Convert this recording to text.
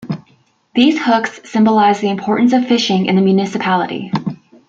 These hooks symbolize the importance of fishing in the municipality.